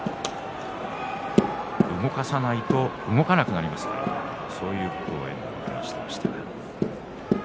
動かさないと動かなくなりますからというふうに話しています。